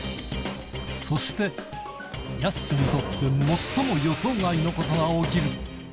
そして、やすしにとって最も予想外のことが起きる。